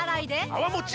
泡もち